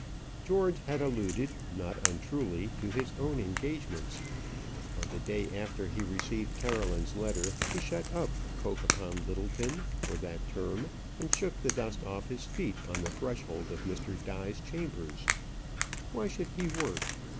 George had alluded not untruly to his own engagements. On the day after he received Caroline's letter he shut up Coke upon Lyttleton for that term, and shook the dust off his feet on the threshold of Mr. Die's chambers. Why should he work?